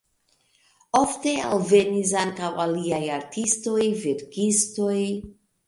Ofte alvenis ankaŭ aliaj artistoj, verkistoj.